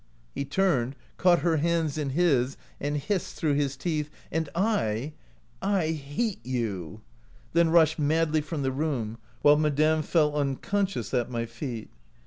' He turned, caught her hands in his, and hissed through his teeth, 'And I — I — hate — you!' then rushed madly from the room, while madame fell unconscious at my feet.